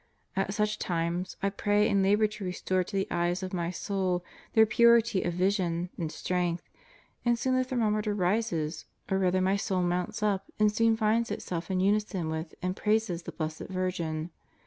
At such times, I pray and labor to restore to the eyes of my soul their purity of vision and strength, and soon the thermometer rises, or rather my soul mounts up and soon finds itself in unison with and praises the Blessed Virgin.